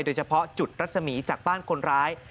โดยเฉพาะจุดรัศมีร์จากบ้านคนร้าย